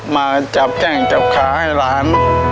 มาจับแข้งจับขาให้หลาน